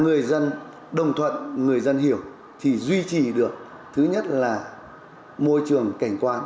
người dân đồng thuận người dân hiểu thì duy trì được thứ nhất là môi trường cảnh quan